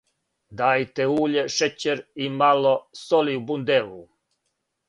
Додајте уље, шећер и мало соли у бундеву.